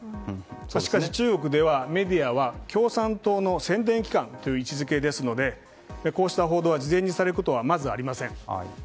しかし中国はメディアは共産党の宣伝機関という位置づけなのでこうした報道は、事前にされることはまずありません。